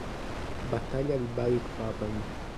Battaglia di Balikpapan